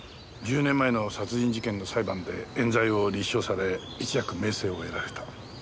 １０年前の殺人事件の裁判で冤罪を立証され一躍名声を得られた。